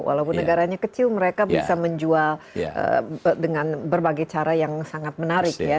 walaupun negaranya kecil mereka bisa menjual dengan berbagai cara yang sangat menarik ya